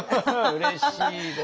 うれしいです！